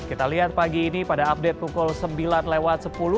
kita lihat pagi ini pada update pukul sembilan lewat sepuluh